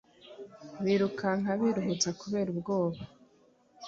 Birukanka biruhutsa kubera ubwoba